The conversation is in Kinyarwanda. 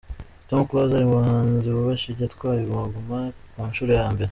Tom Close ari mu bahanzi bubashywe yatwaye Guma Guma ku nshuro ya mbere.